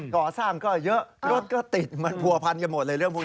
ก่อสร้างก็เยอะรถก็ติดมันผัวพันกันหมดเลยเรื่องพวกนี้